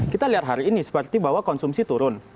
kita lihat hari ini seperti bahwa konsumsi turun